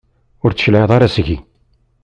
Ur d-tecliɛeḍ ara seg-i.